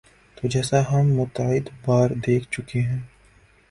تو جیسا ہم متعدد بار دیکھ چکے ہیں۔